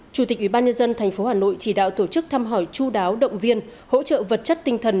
chủ tịch ủy ban nhân dân thành phố hà nội chỉ đạo tổ chức thăm hỏi chú đáo động viên hỗ trợ vật chất tinh thần